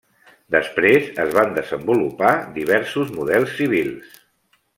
Després es van desenvolupar diversos models civils.